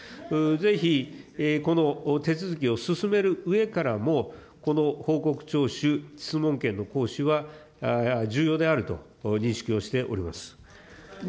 ぜひ、この手続きを進めるうえからも、この報告徴収、質問権の行使は重要であると認識をしております。